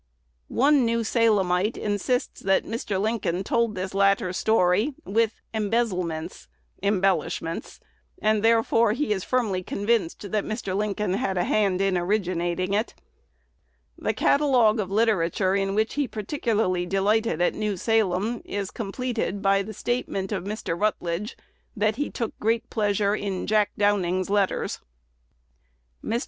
One New Salemite insists that Mr. Lincoln told this latter story "with embezzlements" (embellishments), and therefore he is firmly convinced that Mr. Lincoln "had a hand" in originating it. The catalogue of literature in which he particularly delighted at New Salem is completed by the statement of Mr. Rutledge, that he took great pleasure in "Jack Downing's Letters." Mr.